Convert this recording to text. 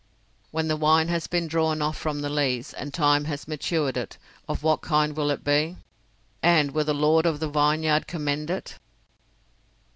When the wine has been drawn off from the lees, and time has matured it, of what kind will it be? And will the Lord of the Vineyard commend it?